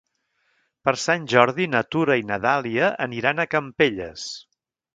Per Sant Jordi na Tura i na Dàlia aniran a Campelles.